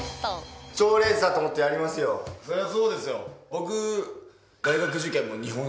僕。